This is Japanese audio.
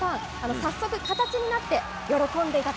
早速、形になって喜んでいたと。